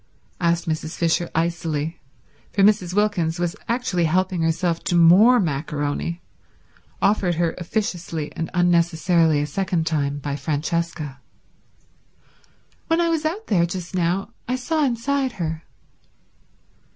asked Mrs. Fisher icily, for Mrs. Wilkins was actually helping herself to more maccaroni, offered her officiously and unnecessarily a second time by Francesca. "When I was out there just now I saw inside her."